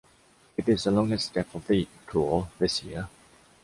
It is the longest step of the Tour this year.